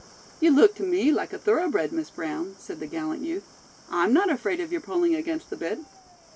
"You look to me like a thoroughbred, Miss Brown," said the gallant youth. "I'm not afraid of your pulling against the bit."